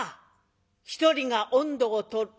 １人が音頭を取る。